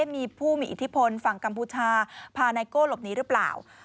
มีผู้มีอิทธิพลฝั่งกัมพูชาพาไนโก้หลบหนีหรือเปล่า